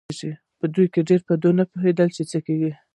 په دوی کې ډېر پر دې نه پوهېدل چې څه کېږي.